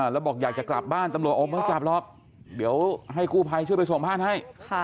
แล้วบอกอยากจะกลับบ้านตำรวจอบไม่จับหรอกเดี๋ยวให้กู้ภัยช่วยไปส่งบ้านให้